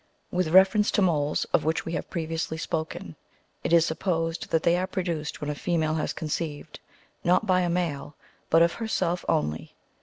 "With reference to moles, of which we have previously '^^ spoken, it is supposed that they are produced when a female has conceived, not by a male, but of herself only.